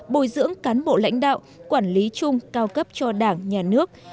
bồi dưỡng cán bộ lãnh đạo quản lý chung cao cấp cho đảng nhà nước